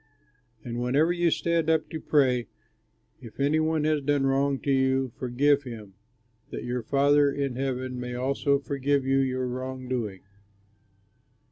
And whenever you stand up to pray, if any one has done wrong to you, forgive him, that your Father in heaven may also forgive you your wrong doing."